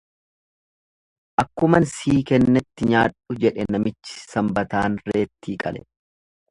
Akkuman sii kennetti nyaadhu jedhe namichi sanbataan reettii qale.